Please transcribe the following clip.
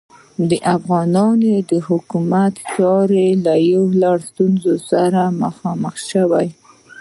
د افغانانو د حکومت چارې له یو لړ ستونزو سره مخامخې شوې.